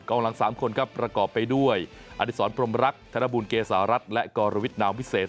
หลัง๓คนครับประกอบไปด้วยอดิษรพรมรักธนบุญเกษารัฐและกรวิทนามวิเศษ